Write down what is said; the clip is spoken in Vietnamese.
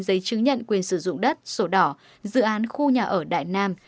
ba trăm linh chín giấy chứng nhận quyền sử dụng đất sổ đỏ dự án khu nhà ở đại nam